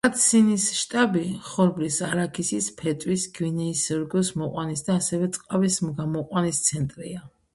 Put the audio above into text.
კატსინის შტატი ხორბლის, არაქისის, ფეტვის, გვინეის სორგოს მოყვანის და ასევე ტყავის გამოყვანის ცენტრია.